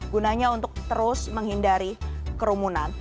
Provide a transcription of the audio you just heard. gunanya untuk terus menghindari kerumunan